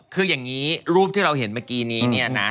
คืออย่างนี้รูปที่เราเห็นเมื่อกี้นี้เนี่ยนะ